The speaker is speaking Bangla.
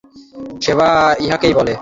সেবা ইহাকেই বলে।